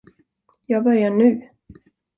Jag börjar nu.